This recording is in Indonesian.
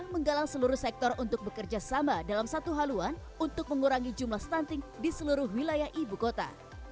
menggalang seluruh sektor untuk bekerja sama dalam satu haluan untuk mengurangi jumlah stunting di seluruh wilayah ibu kota